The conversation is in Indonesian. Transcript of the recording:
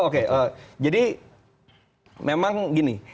oke jadi memang gini